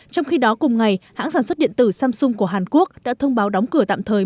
trong khi đó cùng ngày hãng sản xuất điện tử samsung của hàn quốc đã thông báo đóng cửa tạm thời